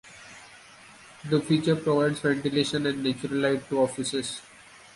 The feature provides ventilation and natural light to offices.